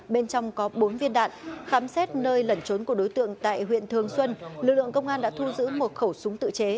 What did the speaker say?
bên trong có bốn viên đạn khám xét nơi lẩn trốn của đối tượng tại huyện thường xuân lực lượng công an đã thu giữ một khẩu súng tự chế